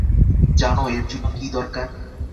জানো এর জন্য কী দরকার?